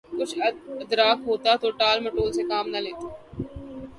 کچھ ادراک ہوتا تو ٹال مٹول سے کام نہ لیتے۔